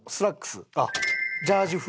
ジャージ風。